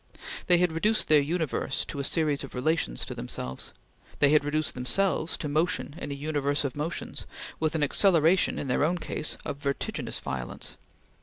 They had reduced their universe to a series of relations to themselves. They had reduced themselves to motion in a universe of motions, with an acceleration, in their own case of vertiginous violence.